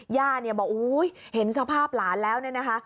ย่าบอกอุ๊ยเห็นสภาพหลานแล้วนะคะ